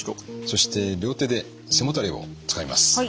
そして両手で背もたれをつかみます。